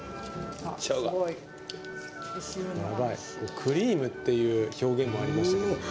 クリームっていう表現もありましたけども。